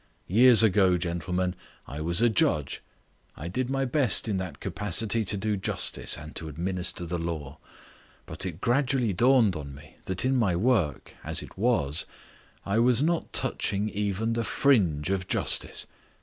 Years ago, gentlemen, I was a judge; I did my best in that capacity to do justice and to administer the law. But it gradually dawned on me that in my work, as it was, I was not touching even the fringe of justice.